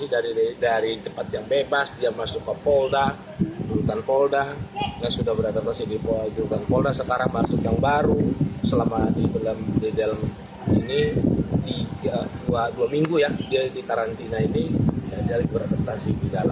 di indonesia ada stres